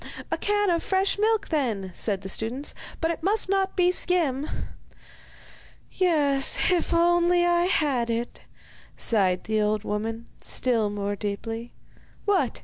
'A can of fresh milk, then,' said the students; 'but it must not be skim.' 'Yes, if only I had it!' sighed the old woman, still more deeply. 'What!